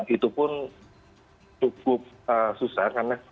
itu pun cukup susah karena